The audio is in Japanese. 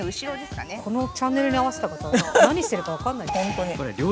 今からこのチャンネルに合わせた方は何してるか分かんない。